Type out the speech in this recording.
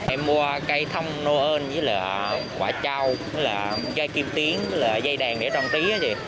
em mua cây thông nô ơn với quả trao dây kim tiến dây đèn để trang trí